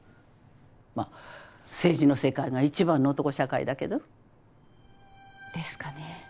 まあ政治の世界が一番の男社会だけど。ですかね。